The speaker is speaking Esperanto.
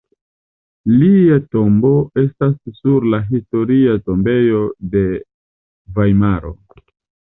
Lia tombo estas sur la Historia tombejo de Vajmaro.